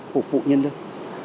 phục vụ nhân dân